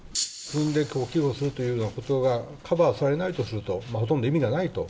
進んで寄付をするというようなことがカバーされないとすると、ほとんど意味がないと。